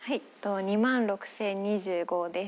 ２万６０２５です。